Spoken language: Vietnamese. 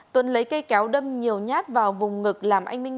tuấn lấy cây kéo đâm nhiều nhát vào vùng ngực làm anh minh bị tăng